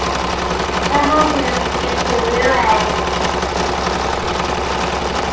Her husband escaped to Rouen.